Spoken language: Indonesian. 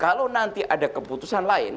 kalau nanti ada keputusan lain